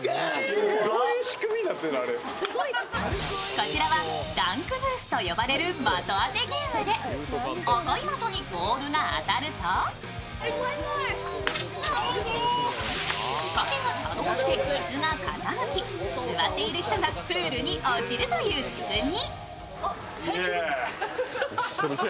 こちらはダンクブースと呼ばれる的当てゲームで、赤い的にボールが当たると座っている人がプールに落ちるという仕組み。